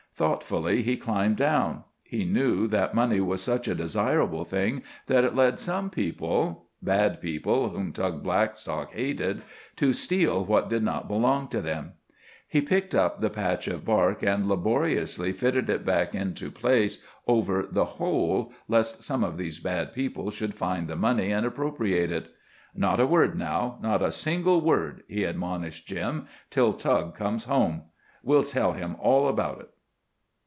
Thoughtfully he climbed down. He knew that money was such a desirable thing that it led some people—bad people whom Tug Blackstock hated—to steal what did not belong to them. He picked up the patch of bark and laboriously fitted it back into its place over the hole, lest some of these bad people should find the money and appropriate it. "Not a word, now, not one single word," he admonished Jim, "till Tug comes home. We'll tell him all about it."